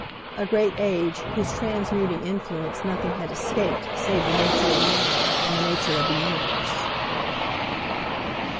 A great Age, whose transmuting influence nothing had escaped save the nature of man and the nature of the Universe.